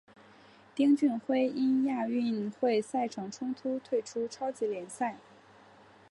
丁俊晖因亚运会赛程冲突退出超级联赛。